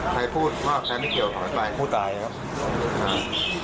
ใครพูดว่าใครไม่เกี่ยวถอยไปผู้ตายครับ